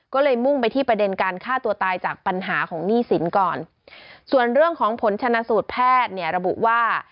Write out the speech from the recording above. ก็เลยมุ่งไปที่ประเด็นการฆ่าตัวตายจากปัญหาของหนี้สินก่อนส่วนเรื่องของผลชนะสูตรแพทย์เนี่ยระบุว่า